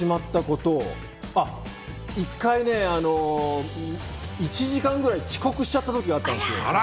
１回ね、１時間ぐらい遅刻しちゃった時があったんですよ。